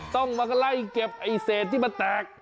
ต้องมาไล่เก็บเศษที่มาแตก